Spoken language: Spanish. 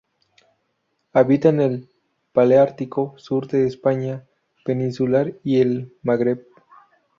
Habita en el paleártico: sur de la España peninsular y el Magreb.